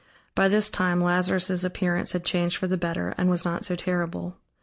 By this time Lazarus' appearance had changed for the better and was not so terrible.